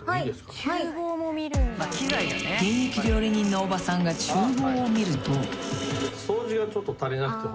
［現役料理人の大場さんが厨房を見ると］